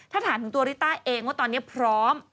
ถ้าถามถึงตัวริต้าเองว่าตอนนี้พร้อม